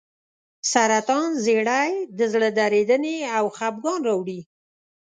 سرطان زیړی د زړه درېدنې او خپګان راوړي.